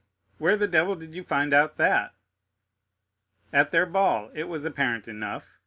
—where the devil did you find out that?" "At their ball; it was apparent enough.